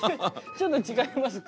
ちょっと違いますけど。